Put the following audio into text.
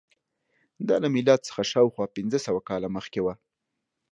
دا له میلاد څخه شاوخوا پنځه سوه کاله مخکې وه.